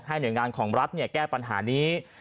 หน่วยงานของรัฐแก้ปัญหานี้